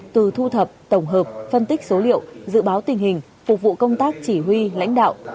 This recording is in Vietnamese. từ thu thập tổng hợp phân tích số liệu dự báo tình hình phục vụ công tác chỉ huy lãnh đạo